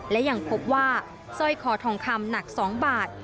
และยังพบว่าสร้อยคอทองคำหนัก๒บาท